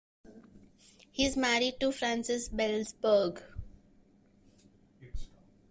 He is married to Frances Belzberg.